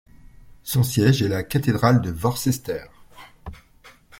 Son siège est la cathédrale de Worcester.